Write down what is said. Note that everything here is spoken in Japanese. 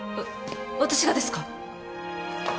私がですか！？